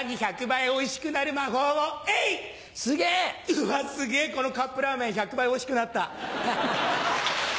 うわすげぇこのカップラーメン１００倍おいしくなった。